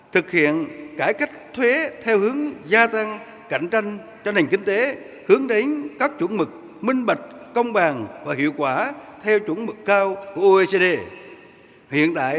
thực hiện cải cách thuế theo hướng gia tăng cạnh tranh cho nền kinh tế hướng đến các chuẩn mực minh bạch công bằng và hiệu quả theo chuẩn mực cao của oecd hiện tại